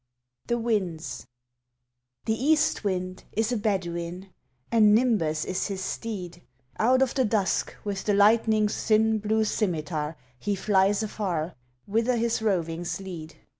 THE WINDS The East Wind is a Bedouin, And Nimbus is his steed; Out of the dusk with the lightning's thin Blue scimitar he flies afar, Whither his rovings lead.